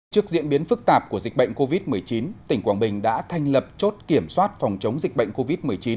trước diễn biến phức tạp của dịch bệnh covid một mươi chín tỉnh quảng bình đã thành lập chốt kiểm soát phòng chống dịch bệnh covid một mươi chín